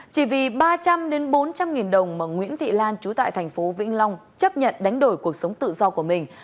chỉ vì ba trăm linh bốn trăm linh nghìn đồng mà nguyễn thị lan chú tại thành phố vĩnh long chấp nhận đánh đổi cuộc sống tự do của mình